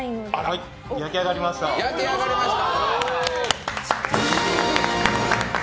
はい、焼き上がりました。